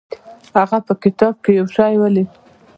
هغه په کتاب کې یو شی ولید.